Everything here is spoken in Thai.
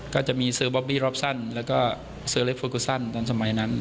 ก็จะมีเซอร์บอบบี้รอบสั้นแล้วก็เซอร์เล็กโฟโกซันตอนสมัยนั้น